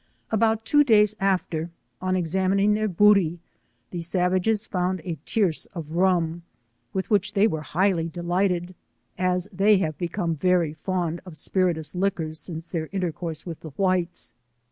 About two days after, on exanilning their booty^ the savages found a tierce of rum,, with which they were highly delighted, as they have become very fond of spirituous liquors since their iatefcotirst' 48 with the whites.